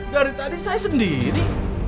dari tadi saya sendiri